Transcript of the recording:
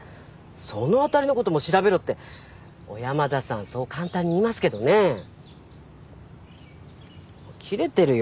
その辺りのことも調べろって小山田さんそう簡単に言いますけどね切れてるよ